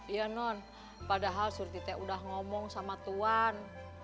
iya non padahal suri tete udah ngomong sama tuan